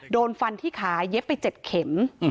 โดนฟันที่ขาเย็บไป๗เข็ม